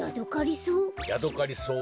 ヤドカリソウ？